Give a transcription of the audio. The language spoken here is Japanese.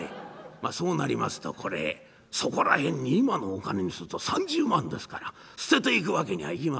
まあそうなりますとこれへそこら辺に今のお金にすると３０万ですから捨てていくわけにはいきませんよ。